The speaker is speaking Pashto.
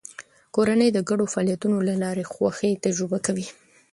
کورنۍ د ګډو فعالیتونو له لارې خوښي تجربه کوي